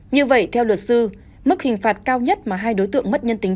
như vậy theo luật sư mức hình phạt cao nhất mà hai đối tượng mất nhân tính